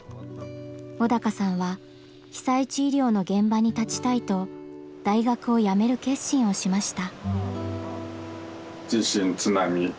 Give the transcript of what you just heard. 小鷹さんは被災地医療の現場に立ちたいと大学を辞める決心をしました。